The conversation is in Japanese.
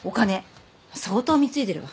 相当貢いでるわ。